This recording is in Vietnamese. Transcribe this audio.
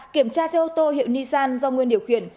kiểm tra xe ô tô hiệu nissan do nguyên điều khuyển